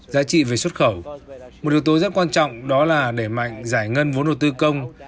giá trị về xuất khẩu một yếu tố rất quan trọng đó là đẩy mạnh giải ngân vốn đầu tư công